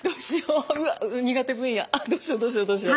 あっどうしようどうしようどうしよう。